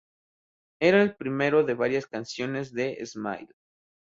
Era el primero de varias canciones de "Smile".